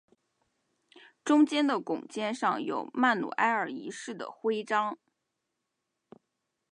中间的拱肩上有曼努埃尔一世的徽章。